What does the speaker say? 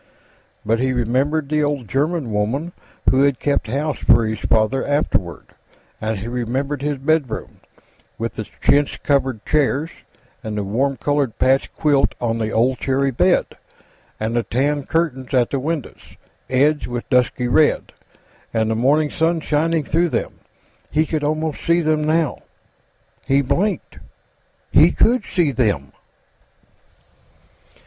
But he remembered the old German woman who had kept house for his father, afterward, and he remembered his bedroom, with its chintz covered chairs, and the warm colored patch quilt on the old cherry bed, and the tan curtains at the windows, edged with dusky red, and the morning sun shining through them. He could almost see them, now. He blinked. He could see them!